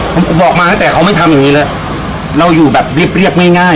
ผมบอกมาตั้งแต่เขาไม่ทำอย่างงี้เลยเราอยู่แบบเรียบเรียบง่ายง่าย